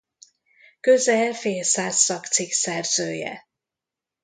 Közel félszáz szakcikk szerzője.